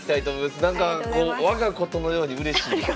なんか我がことのようにうれしいです。